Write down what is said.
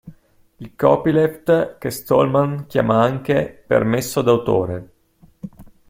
Il "copyleft", che Stallman chiama anche "permesso d'autore".